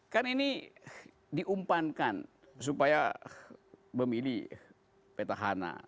kan ini diumpankan supaya memilih peter hana